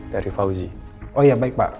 dari fauzi oh ya baik pak